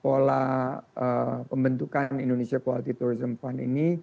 pola pembentukan indonesia quality tourism fund ini